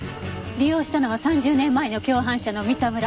利用したのは３０年前の共犯者の三田村。